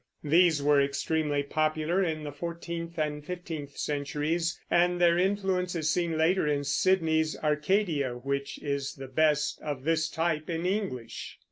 These were extremely popular in the fourteenth and fifteenth centuries, and their influence is seen later in Sidney's Arcadia, which is the best of this type in English.